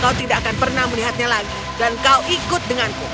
kau tidak akan pernah melihatnya lagi dan kau ikut denganku